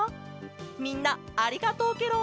みんなありがとうケロ！